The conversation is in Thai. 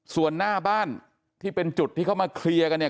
ส่วนหน้าบ้านที่เป็นจุดที่เขามาเคลียร์กันเนี่ย